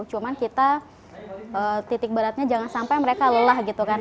cuma kita titik beratnya jangan sampai mereka lelah gitu kan